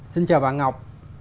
xin chào bà ngọc